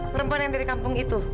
perempuan yang dari kampung itu